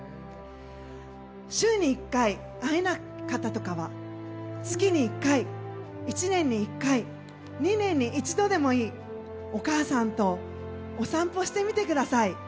週に１回、会えない方は月に１回、１年に１回２年に１度でもいいお母さんとお散歩してみてください。